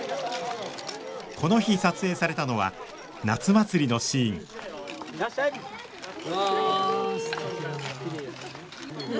この日撮影されたのは夏祭りのシーンわすてきだなあ。